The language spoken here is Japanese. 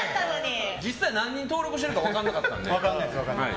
実際何人登録してるか分からなかったので。